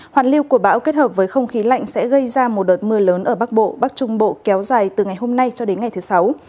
hoàn lưu của bão kết hợp với không khí lạnh sẽ gây ra một đợt mưa lớn ở bắc bộ bắc trung bộ kéo dài từ ngày hôm nay cho đến ngày thứ sáu